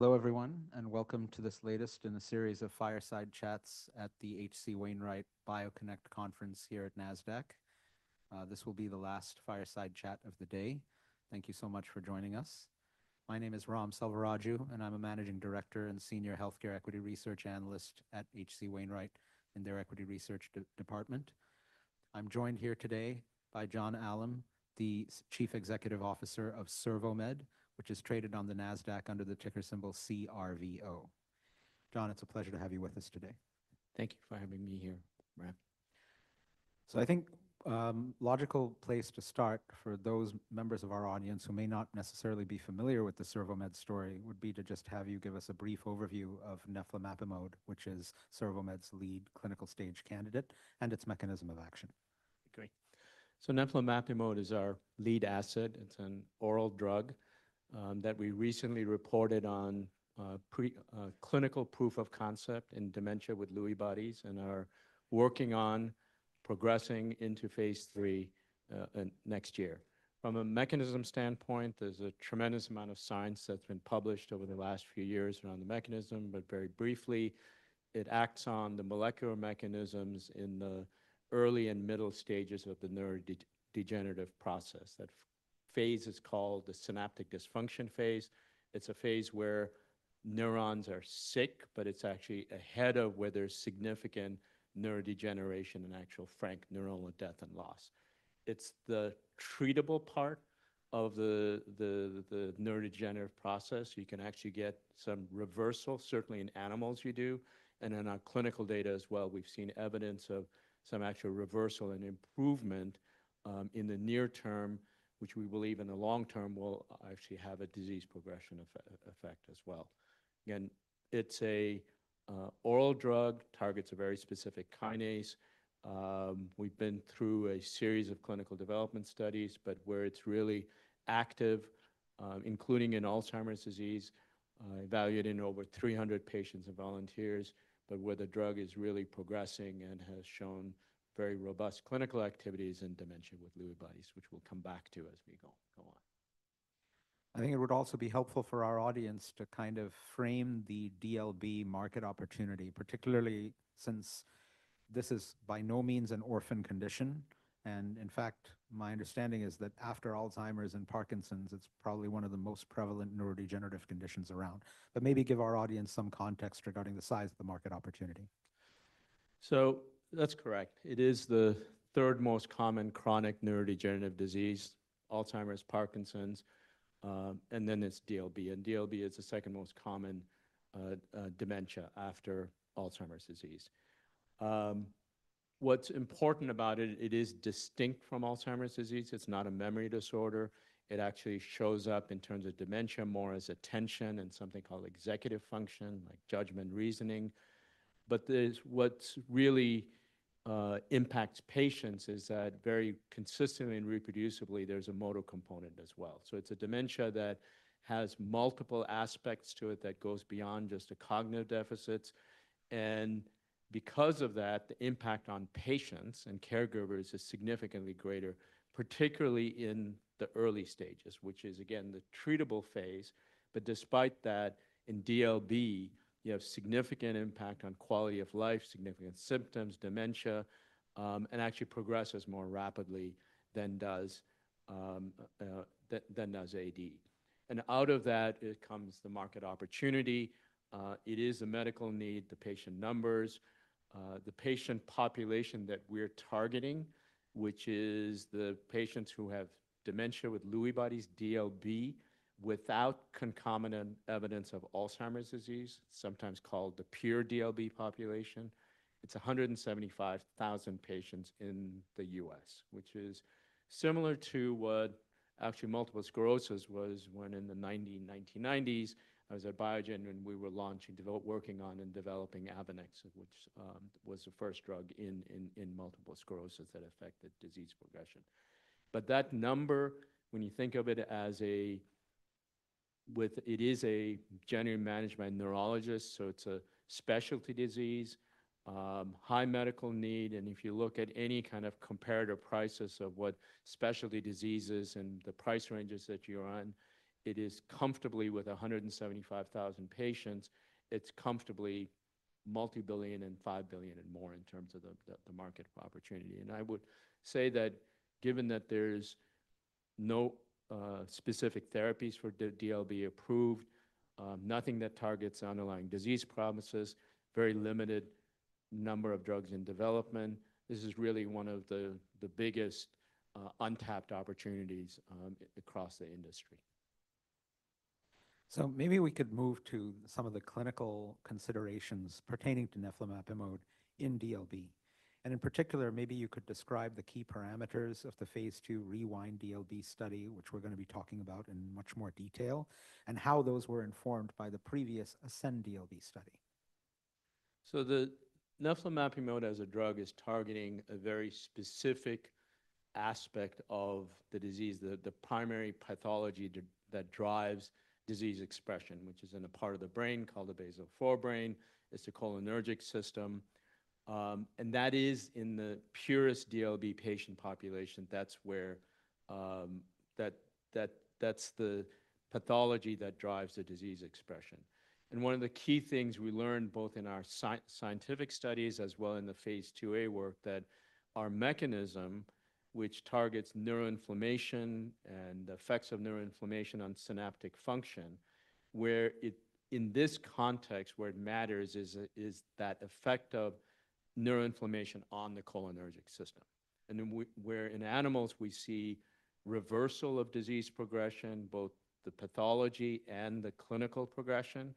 Hello, everyone, and welcome to this latest in a series of Fireside Chats at the H.C. Wainwright BioConnect Conference here at NASDAQ. This will be the last Fireside Chat of the day. Thank you so much for joining us. My name is Ram Selvaraju, and I'm a Managing Director and Senior Healthcare Equity Research Analyst at H.C. Wainwright in their Equity Research Department. I'm joined here today by John Alam, the Chief Executive Officer of CervoMed, which is traded on the NASDAQ under the ticker symbol CRVO. John, it's a pleasure to have you with us today. Thank you for having me here, Ram. I think a logical place to start for those members of our audience who may not necessarily be familiar with the CervoMed story would be to just have you give us a brief overview of neflamapimod, which is CervoMed's lead clinical stage candidate and its mechanism of action. Great. Neflamapimod is our lead asset. It's an oral drug that we recently reported on clinical proof of concept in dementia with Lewy bodies and are working on progressing into phase three next year. From a mechanism standpoint, there's a tremendous amount of science that's been published over the last few years around the mechanism, but very briefly, it acts on the molecular mechanisms in the early and middle stages of the neurodegenerative process. That phase is called the synaptic dysfunction phase. It's a phase where neurons are sick, but it's actually ahead of where there's significant neurodegeneration and actual frank neuronal death and loss. It's the treatable part of the neurodegenerative process. You can actually get some reversal, certainly in animals you do. In our clinical data as well, we've seen evidence of some actual reversal and improvement in the near term, which we believe in the long term will actually have a disease progression effect as well. Again, it's an oral drug, targets a very specific kinase. We've been through a series of clinical development studies, but where it's really active, including in Alzheimer's disease, evaluated in over 300 patients and volunteers, but where the drug is really progressing and has shown very robust clinical activities in dementia with Lewy bodies, which we'll come back to as we go on. I think it would also be helpful for our audience to kind of frame the DLB market opportunity, particularly since this is by no means an orphan condition. In fact, my understanding is that after Alzheimer's and Parkinson's, it's probably one of the most prevalent neurodegenerative conditions around. Maybe give our audience some context regarding the size of the market opportunity. That's correct. It is the third most common chronic neurodegenerative disease, Alzheimer's, Parkinson's, and then it's DLB. DLB is the second most common dementia after Alzheimer's disease. What's important about it, it is distinct from Alzheimer's disease. It's not a memory disorder. It actually shows up in terms of dementia more as attention and something called executive function, like judgment, reasoning. What really impacts patients is that very consistently and reproducibly, there's a motor component as well. It's a dementia that has multiple aspects to it that goes beyond just cognitive deficits. Because of that, the impact on patients and caregivers is significantly greater, particularly in the early stages, which is again, the treatable phase. Despite that, in DLB, you have significant impact on quality of life, significant symptoms, dementia, and actually progresses more rapidly than does AD. Out of that, it comes the market opportunity. It is a medical need, the patient numbers, the patient population that we're targeting, which is the patients who have dementia with Lewy bodies, DLB, without concomitant evidence of Alzheimer's disease, sometimes called the pure DLB population. It's 175,000 patients in the U.S., which is similar to what actually multiple sclerosis was when in the 1990s, I was at Biogen and we were launching, working on and developing AVONEX, which was the first drug in multiple sclerosis that affected disease progression. That number, when you think of it as a, it is a genuine management neurologist, so it's a specialty disease, high medical need. If you look at any kind of comparative prices of what specialty diseases and the price ranges that you're on, it is comfortably with 175,000 patients. It's comfortably multi-billion and $5 billion and more in terms of the market opportunity. I would say that given that there's no specific therapies for DLB approved, nothing that targets underlying disease promises, very limited number of drugs in development, this is really one of the biggest untapped opportunities across the industry. Maybe we could move to some of the clinical considerations pertaining to neflamapimod in DLB. In particular, maybe you could describe the key parameters of the phase II RewinD-LB study, which we're going to be talking about in much more detail, and how those were informed by the previous AscenD-LB study? Neflamapimod as a drug is targeting a very specific aspect of the disease, the primary pathology that drives disease expression, which is in a part of the brain called the basal forebrain, it's the cholinergic system. That is in the purest DLB patient population. That's where that's the pathology that drives the disease expression. One of the key things we learned both in our scientific studies as well in the phase IIa work is that our mechanism, which targets neuroinflammation and the effects of neuroinflammation on synaptic function, where in this context, where it matters is that effect of neuroinflammation on the cholinergic system. Where in animals, we see reversal of disease progression, both the pathology and the clinical progression.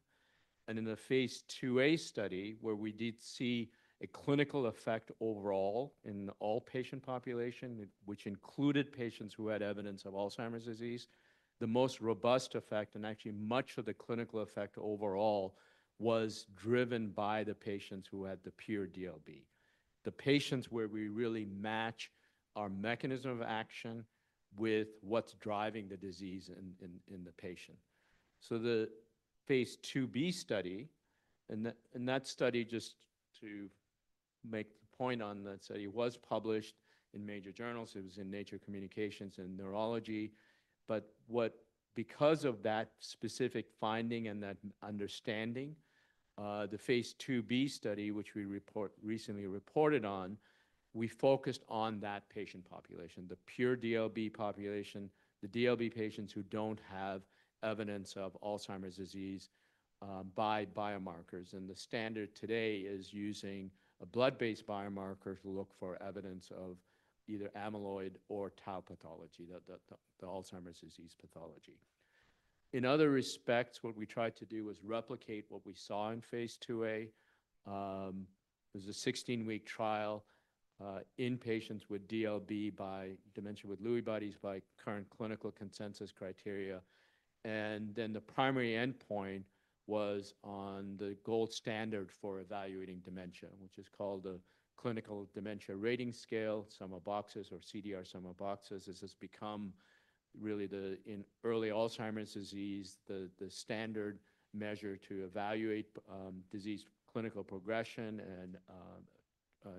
In the phase IIa study, where we did see a clinical effect overall in all patient population, which included patients who had evidence of Alzheimer's disease, the most robust effect and actually much of the clinical effect overall was driven by the patients who had the pure DLB. The patients where we really match our mechanism of action with what's driving the disease in the patient. The phase IIb study, and that study just to make the point on that study was published in major journals. It was in Nature Communications and Neurology. Because of that specific finding and that understanding, the phase IIb study, which we recently reported on, we focused on that patient population, the pure DLB population, the DLB patients who don't have evidence of Alzheimer's disease by biomarkers. The standard today is using a blood-based biomarker to look for evidence of either amyloid or tau pathology, the Alzheimer's disease pathology. In other respects, what we tried to do was replicate what we saw in phase IIa. It was a 16-week trial in patients with DLB, by dementia with Lewy bodies by current clinical consensus criteria. The primary endpoint was on the gold standard for evaluating dementia, which is called the Clinical Dementia Rating Sum of Boxes or CDR-SB. This has become really the early Alzheimer's disease, the standard measure to evaluate disease clinical progression and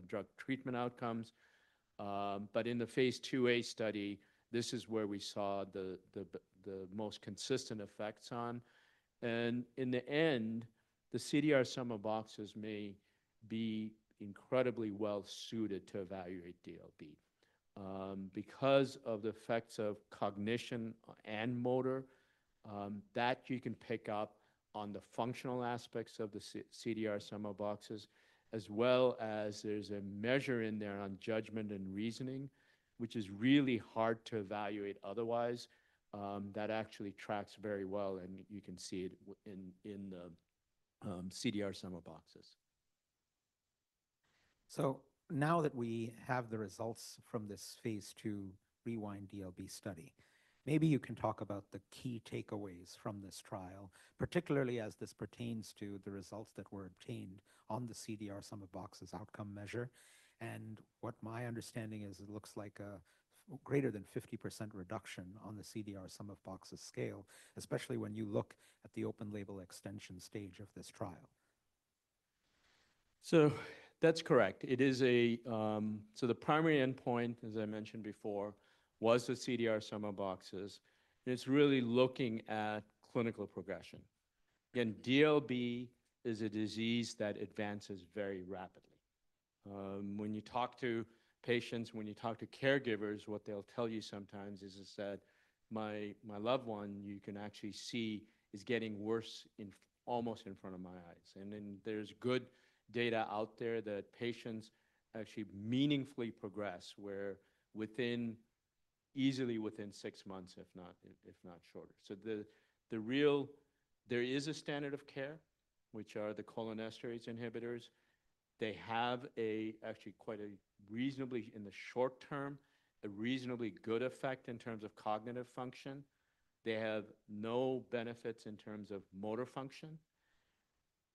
drug treatment outcomes. In the phase IIa study, this is where we saw the most consistent effects on. The CDR-Sum of Boxes may be incredibly well suited to evaluate DLB because of the effects of cognition and motor that you can pick up on the functional aspects of the CDR-Sum of Boxes, as well as there's a measure in there on judgment and reasoning, which is really hard to evaluate otherwise. That actually tracks very well and you can see it in the CDR-Sum of Boxes. Now that we have the results from this phase II RewinD-LB study, maybe you can talk about the key takeaways from this trial, particularly as this pertains to the results that were obtained on the CDR-Sum of Boxes outcome measure. What my understanding is, it looks like a greater than 50% reduction on the CDR-Sum of Boxes scale, especially when you look at the open label extension stage of this trial? That is correct. It is a, so the primary endpoint, as I mentioned before, was the CDR-Sum of Boxes. It is really looking at clinical progression. Again, DLB is a disease that advances very rapidly. When you talk to patients, when you talk to caregivers, what they will tell you sometimes is that my loved one, you can actually see is getting worse almost in front of my eyes. There is good data out there that patients actually meaningfully progress where easily within six months, if not shorter. There is a standard of care, which are the cholinesterase inhibitors. They have actually quite a reasonably, in the short term, a reasonably good effect in terms of cognitive function. They have no benefits in terms of motor function.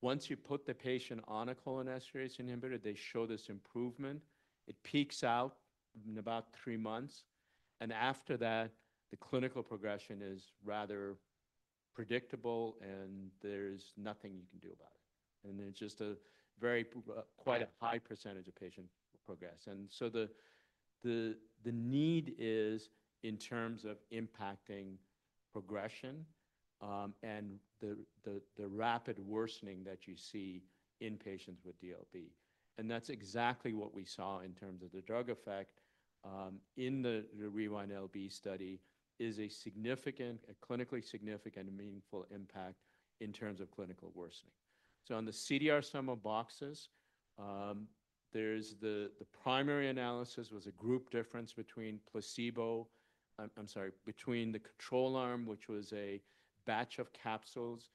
Once you put the patient on a cholinesterase inhibitor, they show this improvement. It peaks out in about three months. After that, the clinical progression is rather predictable and there's nothing you can do about it. It's just a very, quite a high percentage of patients progress. The need is in terms of impacting progression and the rapid worsening that you see in patients with DLB. That's exactly what we saw in terms of the drug effect in the RewinD-LB study, a significant, a clinically significant and meaningful impact in terms of clinical worsening. On the CDR-SB, the primary analysis was a group difference between placebo, I'm sorry, between the control arm, which was a batch of capsules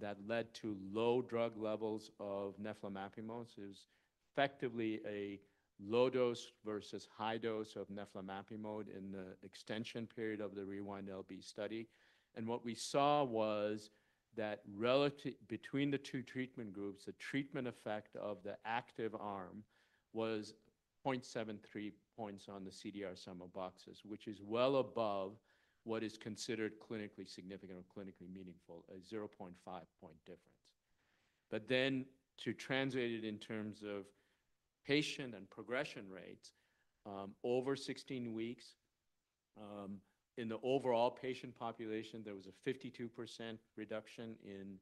that led to low drug levels of neflamapimod. It was effectively a low dose versus high dose of neflamapimod in the extension period of the RewinD-LB study. What we saw was that relative between the two treatment groups, the treatment effect of the active arm was 0.73 points on the CDR-Sum of Boxes, which is well above what is considered clinically significant or clinically meaningful, a 0.5 point difference. To translate it in terms of patient and progression rates, over 16 weeks in the overall patient population, there was a 52% reduction in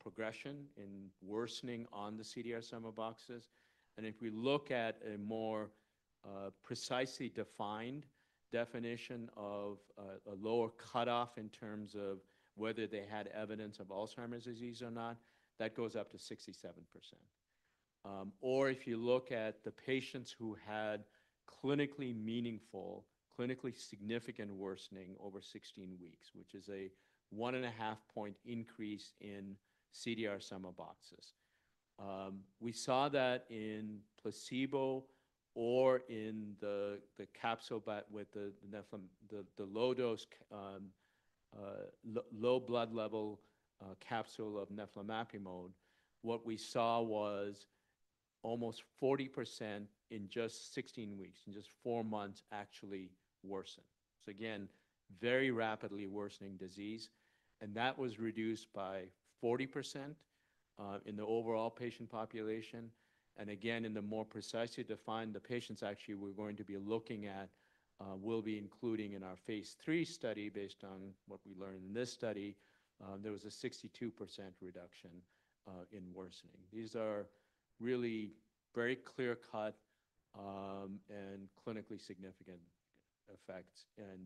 progression in worsening on the CDR-Sum of Boxes. If we look at a more precisely defined definition of a lower cutoff in terms of whether they had evidence of Alzheimer's disease or not, that goes up to 67%. If you look at the patients who had clinically meaningful, clinically significant worsening over 16 weeks, which is a one and a half point increase in CDR-Sum of Boxes. We saw that in placebo or in the capsule with the low dose, low blood level capsule of neflamapimod. What we saw was almost 40% in just 16 weeks, in just four months actually worsened. Again, very rapidly worsening disease. That was reduced by 40% in the overall patient population. Again, in the more precisely defined, the patients actually we're going to be looking at, we'll be including in our phase three study based on what we learned in this study, there was a 62% reduction in worsening. These are really very clear cut and clinically significant effects and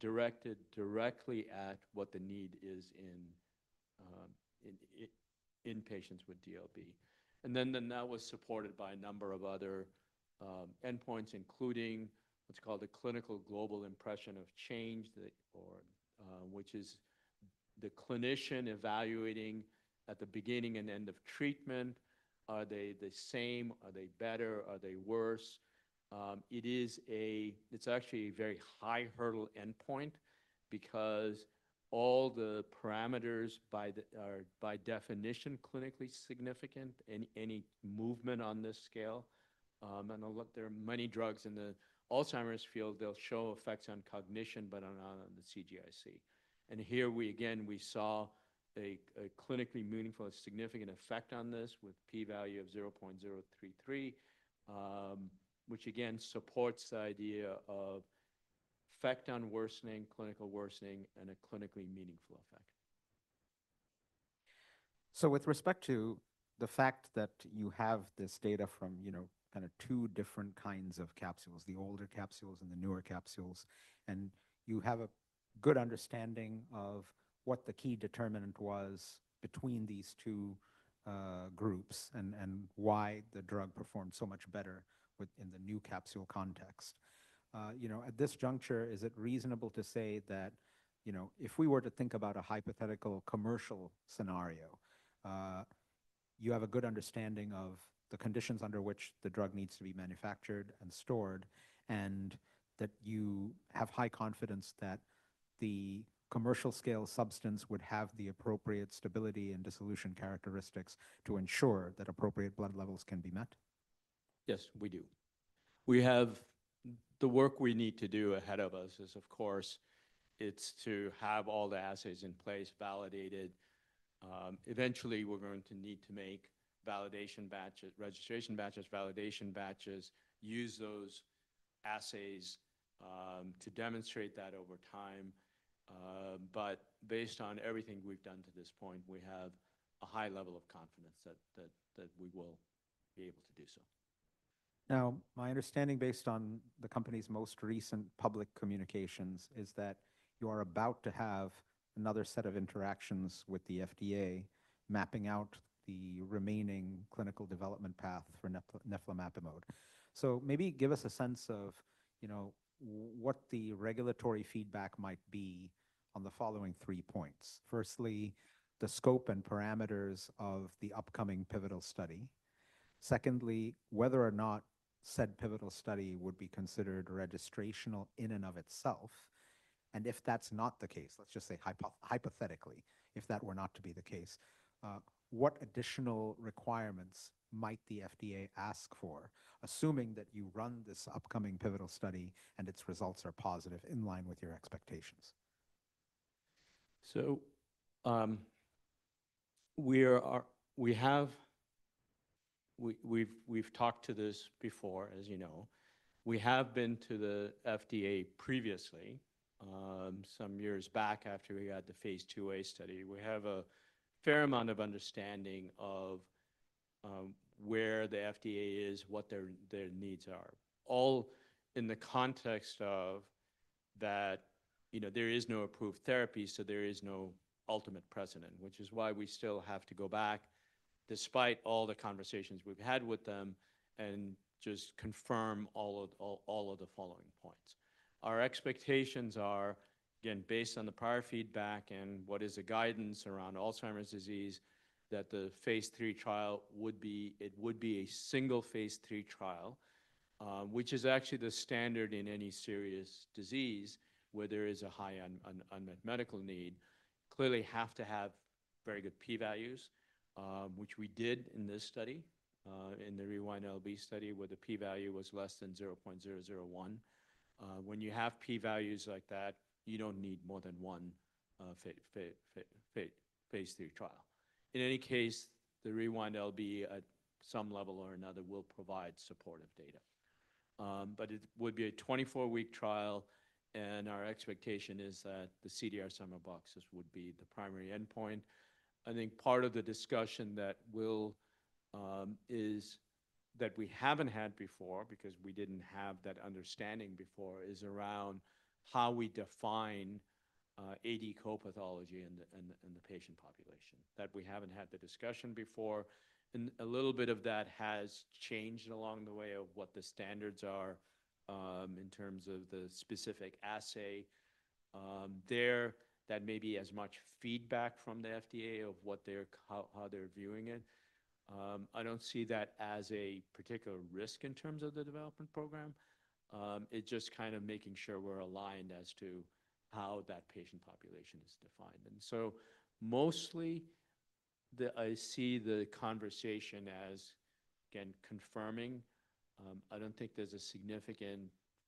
directed directly at what the need is in patients with DLB. That was supported by a number of other endpoints, including what's called a clinical global impression of change, which is the clinician evaluating at the beginning and end of treatment. Are they the same? Are they better? Are they worse? It's actually a very high hurdle endpoint because all the parameters by definition clinically significant, any movement on this scale. There are many drugs in the Alzheimer's field, they'll show effects on cognition, but not on the CGIC. Here we again, we saw a clinically meaningful and significant effect on this with p-value of 0.033, which again supports the idea of effect on worsening, clinical worsening, and a clinically meaningful effect. With respect to the fact that you have this data from kind of two different kinds of capsules, the older capsules and the newer capsules, and you have a good understanding of what the key determinant was between these two groups and why the drug performed so much better in the new capsule context. At this juncture, is it reasonable to say that if we were to think about a hypothetical commercial scenario, you have a good understanding of the conditions under which the drug needs to be manufactured and stored, and that you have high confidence that the commercial scale substance would have the appropriate stability and dissolution characteristics to ensure that appropriate blood levels can be met? Yes, we do. We have the work we need to do ahead of us is, of course, it's to have all the assays in place validated. Eventually, we're going to need to make validation batches, registration batches, validation batches, use those assays to demonstrate that over time. Based on everything we've done to this point, we have a high level of confidence that we will be able to do so. Now, my understanding based on the company's most recent public communications is that you are about to have another set of interactions with the FDA mapping out the remaining clinical development path for neflamapimod. So maybe give us a sense of what the regulatory feedback might be on the following three points. Firstly, the scope and parameters of the upcoming pivotal study. Secondly, whether or not said pivotal study would be considered registrational in and of itself. And if that's not the case, let's just say hypothetically, if that were not to be the case, what additional requirements might the FDA ask for, assuming that you run this upcoming pivotal study and its results are positive in line with your expectations? We have talked to this before, as you know. We have been to the FDA previously, some years back after we had the phase IIa study. We have a fair amount of understanding of where the FDA is, what their needs are, all in the context of that there is no approved therapy, so there is no ultimate precedent, which is why we still have to go back despite all the conversations we have had with them and just confirm all of the following points. Our expectations are, again, based on the prior feedback and what is the guidance around Alzheimer's disease, that the phase III trial would be, it would be a single phase III trial, which is actually the standard in any serious disease where there is a high unmet medical need. Clearly have to have very good p-values, which we did in this study, in the RewinD-LB study where the p-value was less than 0.001. When you have p-values like that, you do not need more than one phase three trial. In any case, the RewinD-LB at some level or another will provide supportive data. It would be a 24-week trial, and our expectation is that the CDR-Sum of Boxes would be the primary endpoint. I think part of the discussion that is that we have not had before because we did not have that understanding before is around how we define AD co-pathology in the patient population, that we have not had the discussion before. A little bit of that has changed along the way of what the standards are in terms of the specific assay there, that may be as much feedback from the FDA of how they're viewing it. I don't see that as a particular risk in terms of the development program. It's just kind of making sure we're aligned as to how that patient population is defined. Mostly I see the conversation as, again, confirming. I don't think there's a significant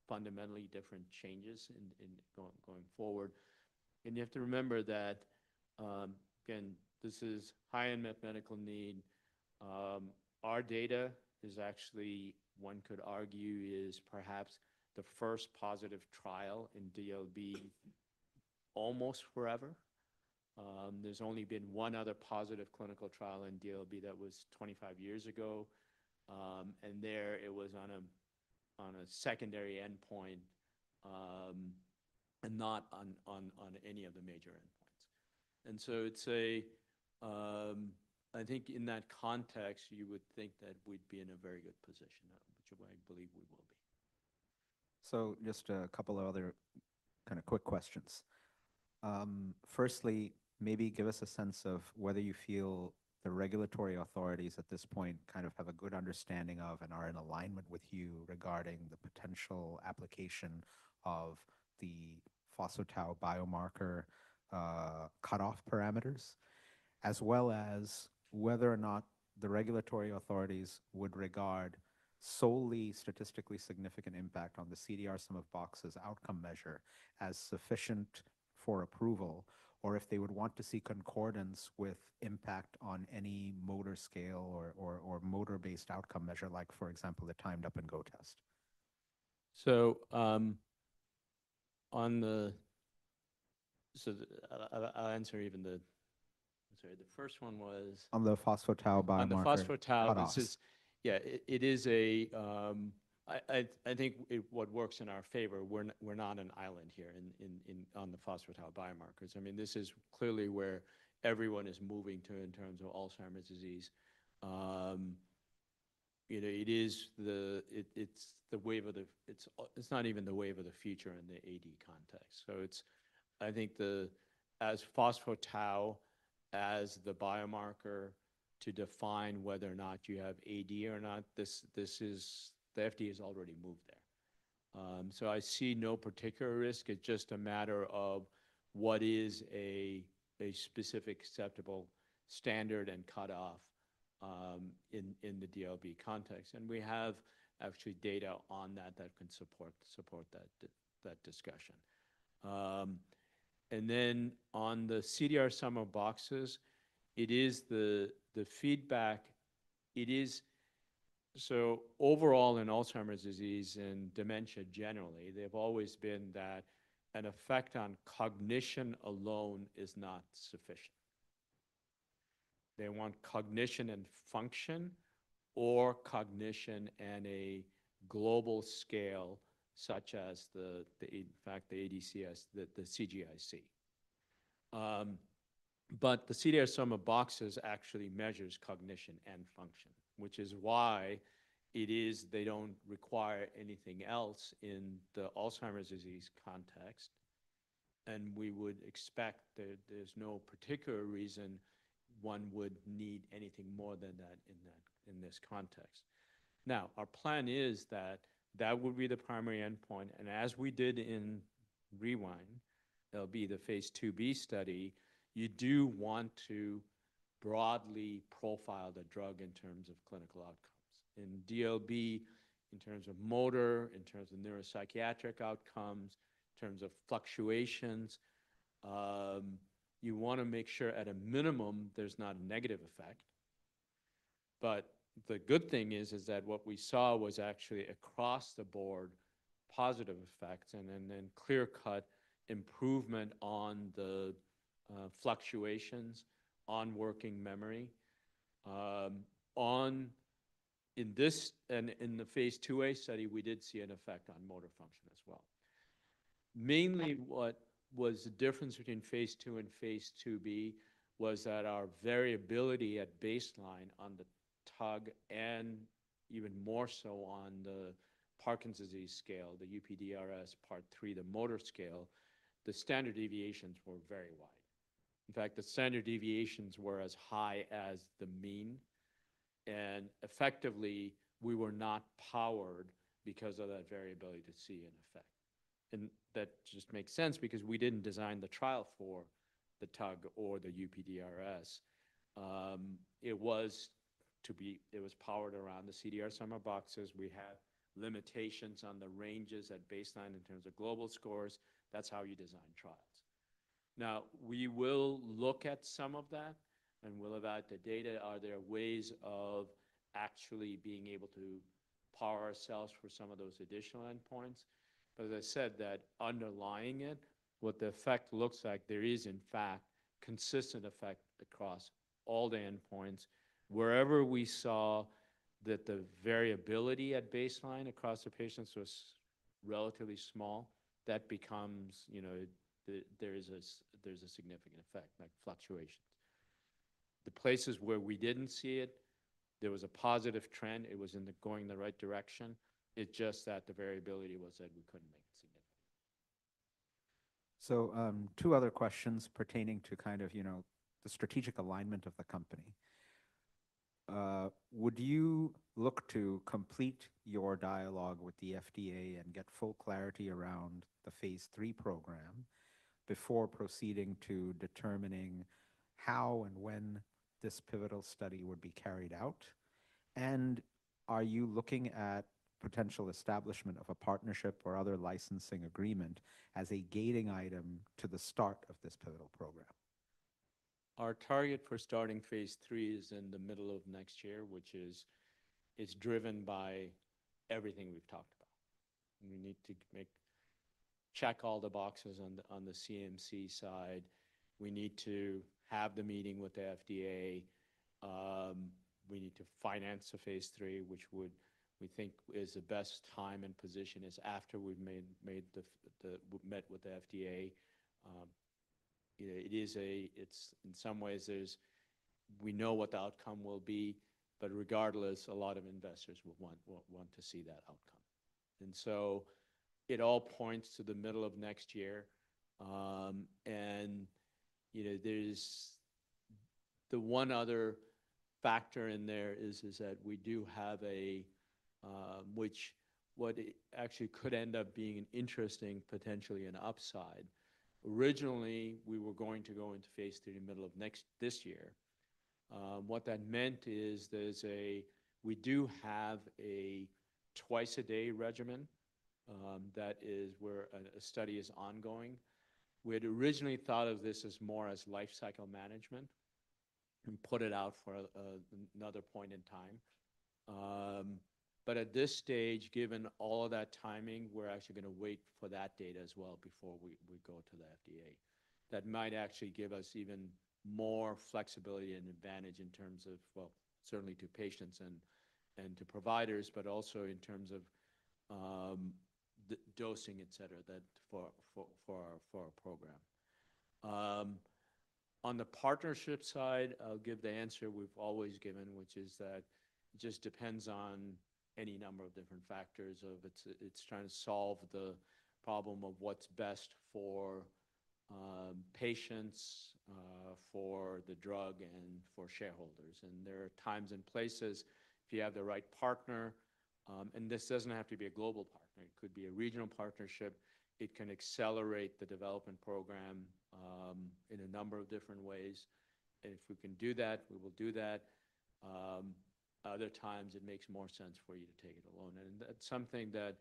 fundamentally different changes in going forward. You have to remember that, again, this is high unmet medical need. Our data is actually, one could argue, is perhaps the first positive trial in DLB almost forever. There's only been one other positive clinical trial in DLB that was 25 years ago. There it was on a secondary endpoint and not on any of the major endpoints. I think in that context, you would think that we'd be in a very good position, which I believe we will be. Just a couple of other kind of quick questions. Firstly, maybe give us a sense of whether you feel the regulatory authorities at this point kind of have a good understanding of and are in alignment with you regarding the potential application of the phospho-tau biomarker cutoff parameters, as well as whether or not the regulatory authorities would regard solely statistically significant impact on the CDR-Sum of Boxes outcome measure as sufficient for approval, or if they would want to see concordance with impact on any motor scale or motor-based outcome measure, like for example, the timed up and go test. I'll answer even the, sorry, the first one was. On the phospho-tau biomarker cutoff. On the phospho-tau this is, yeah, it is a, I think what works in our favor, we're not an island here on the phospho-tau biomarkers. I mean, this is clearly where everyone is moving to in terms of Alzheimer's disease. It's the wave of the, it's not even the wave of the future in the AD context. I think as phospho-tau, as the biomarker to define whether or not you have AD or not, the FDA has already moved there. I see no particular risk. It's just a matter of what is a specific acceptable standard and cutoff in the DLB context. We have actually data on that that can support that discussion. Then on the CDR-Sum of Boxes, it is the feedback, it is so overall in Alzheimer's disease and dementia generally, they've always been that an effect on cognition alone is not sufficient. They want cognition and function or cognition and a global scale, such as the, in fact, the ADCS, the CGIC. The CDR-Sum of Boxes actually measures cognition and function, which is why it is they don't require anything else in the Alzheimer's disease context. We would expect that there's no particular reason one would need anything more than that in this context. Now, our plan is that that would be the primary endpoint. As we did in RewinD, there'll be the phase IIb study. You do want to broadly profile the drug in terms of clinical outcomes. In DLB, in terms of motor, in terms of neuropsychiatric outcomes, in terms of fluctuations, you want to make sure at a minimum there's not a negative effect. The good thing is that what we saw was actually across the board positive effects and then clear cut improvement on the fluctuations on working memory. In this and in the phase IIa study, we did see an effect on motor function as well. Mainly what was the difference between phase II and phase IIb was that our variability at baseline on the TUG and even more so on the Parkinson's disease scale, the UPDRS part III, the motor scale, the standard deviations were very wide. In fact, the standard deviations were as high as the mean. Effectively, we were not powered because of that variability to see an effect. That just makes sense because we did not design the trial for the TUG or the UPDRS. It was powered around the CDR-Sum of Boxes. We had limitations on the ranges at baseline in terms of global scores. That is how you design trials. Now, we will look at some of that and we will evaluate the data. Are there ways of actually being able to power ourselves for some of those additional endpoints? As I said, underlying it, what the effect looks like, there is in fact consistent effect across all the endpoints. Wherever we saw that the variability at baseline across the patients was relatively small, that becomes, there is a significant effect, like fluctuations. The places where we did not see it, there was a positive trend. It was going in the right direction. It is just that the variability was that we could not make it significant. Two other questions pertaining to kind of the strategic alignment of the company. Would you look to complete your dialogue with the FDA and get full clarity around the phase III program before proceeding to determining how and when this pivotal study would be carried out? Are you looking at potential establishment of a partnership or other licensing agreement as a gating item to the start of this pivotal program? Our target for starting phase III is in the middle of next year, which is driven by everything we've talked about. We need to check all the boxes on the CMC side. We need to have the meeting with the FDA. We need to finance the phase III, which we think is the best time and position is after we've met with the FDA. It is a, in some ways, we know what the outcome will be, but regardless, a lot of investors will want to see that outcome. It all points to the middle of next year. The one other factor in there is that we do have a, which what actually could end up being an interesting, potentially an upside. Originally, we were going to go into phase III in the middle of this year. What that meant is there's a, we do have a twice-a-day regimen that is where a study is ongoing. We had originally thought of this as more as lifecycle management and put it out for another point in time. At this stage, given all of that timing, we're actually going to wait for that data as well before we go to the FDA. That might actually give us even more flexibility and advantage in terms of, well, certainly to patients and to providers, but also in terms of dosing, et cetera, for our program. On the partnership side, I'll give the answer we've always given, which is that it just depends on any number of different factors of it's trying to solve the problem of what's best for patients, for the drug, and for shareholders. There are times and places if you have the right partner, and this does not have to be a global partner, it could be a regional partnership, it can accelerate the development program in a number of different ways. If we can do that, we will do that. Other times, it makes more sense for you to take it alone. That is something that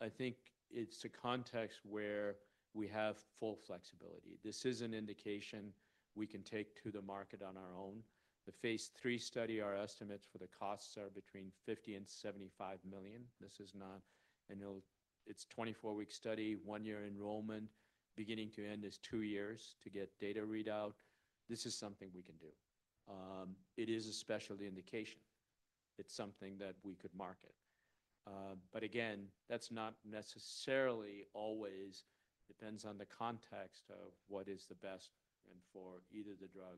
I think is a context where we have full flexibility. This is an indication we can take to the market on our own. The phase III study, our estimates for the costs are between $50 million and $75 million. This is not, and it is a 24-week study, one-year enrollment. Beginning to end is two years to get data readout. This is something we can do. It is a special indication. It is something that we could market. That is not necessarily always, depends on the context of what is the best for either the drug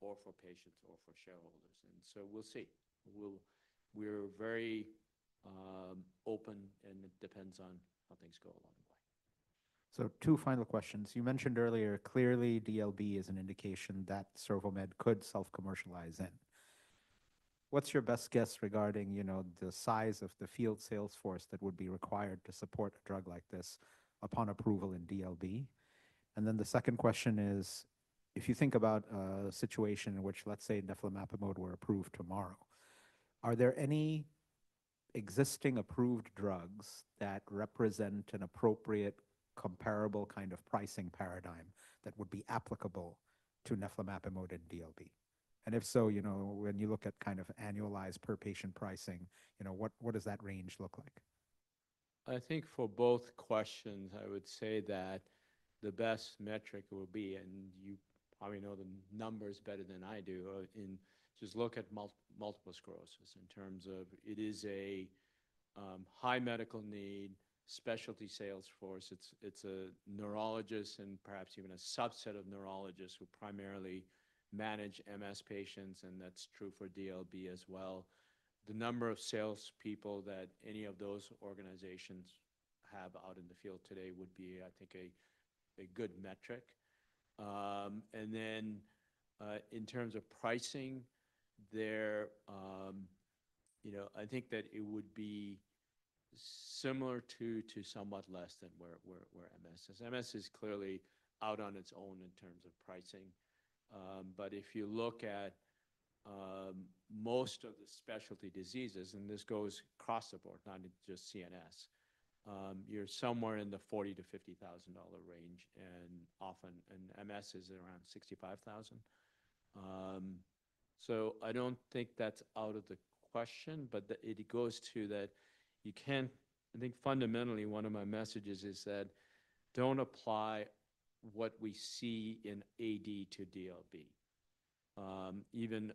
or for patients or for shareholders. We will see. We are very open and it depends on how things go along the way. Two final questions. You mentioned earlier clearly DLB is an indication that CervoMed could self-commercialize in. What's your best guess regarding the size of the field salesforce that would be required to support a drug like this upon approval in DLB? The second question is, if you think about a situation in which, let's say, neflamapimod were approved tomorrow, are there any existing approved drugs that represent an appropriate comparable kind of pricing paradigm that would be applicable to neflamapimod and DLB? If so, when you look at kind of annualized per patient pricing, what does that range look like? I think for both questions, I would say that the best metric will be, and you probably know the numbers better than I do, just look at multiple sclerosis in terms of it is a high medical need specialty salesforce. It's a neurologist and perhaps even a subset of neurologists who primarily manage MS patients, and that's true for DLB as well. The number of salespeople that any of those organizations have out in the field today would be, I think, a good metric. In terms of pricing, I think that it would be similar to somewhat less than where MS is. MS is clearly out on its own in terms of pricing. If you look at most of the specialty diseases, and this goes across the board, not just CNS, you're somewhere in the $40,000-$50,000 range, and often MS is around $65,000. I don't think that's out of the question, but it goes to that you can, I think fundamentally, one of my messages is that don't apply what we see in AD to DLB, even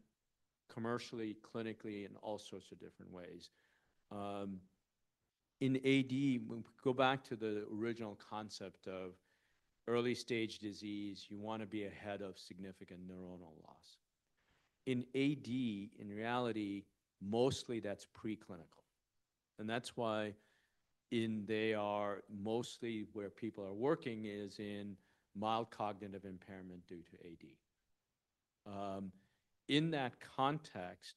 commercially, clinically, in all sorts of different ways. In AD, when we go back to the original concept of early stage disease, you want to be ahead of significant neuronal loss. In AD, in reality, mostly that's preclinical. That's why they are mostly where people are working is in mild cognitive impairment due to AD. In that context,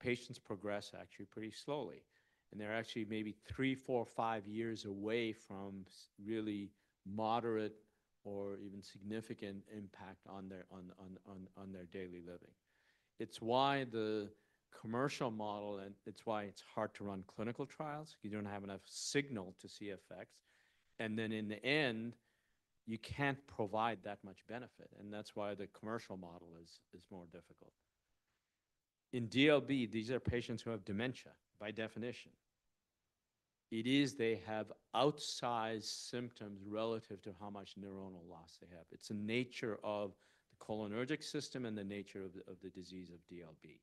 patients progress actually pretty slowly. They're actually maybe three, four, five years away from really moderate or even significant impact on their daily living. It's why the commercial model, and it's why it's hard to run clinical trials. You don't have enough signal to see effects. In the end, you can't provide that much benefit. That's why the commercial model is more difficult. In DLB, these are patients who have dementia by definition. They have outsized symptoms relative to how much neuronal loss they have. It's the nature of the cholinergic system and the nature of the disease of DLB.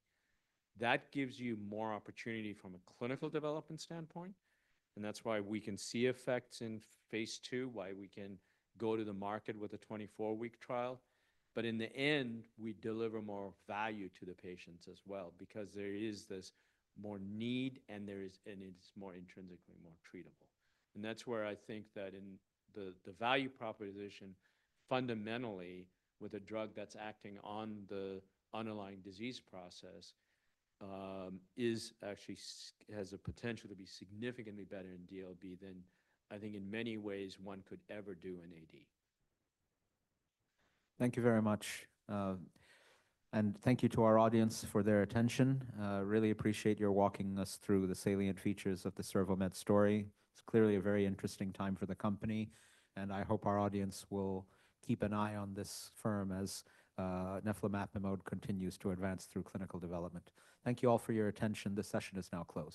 That gives you more opportunity from a clinical development standpoint. That's why we can see effects in phase II, why we can go to the market with a 24-week trial. In the end, we deliver more value to the patients as well because there is this more need and it's more intrinsically more treatable. That's where I think that in the value proposition, fundamentally, with a drug that's acting on the underlying disease process, it actually has a potential to be significantly better in DLB than I think in many ways one could ever do in AD. Thank you very much. Thank you to our audience for their attention. Really appreciate your walking us through the salient features of the CervoMed story. It is clearly a very interesting time for the company. I hope our audience will keep an eye on this firm as neflamapimod continues to advance through clinical development. Thank you all for your attention. This session is now closed.